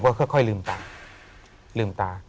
ผมก็ค่อยลืมตา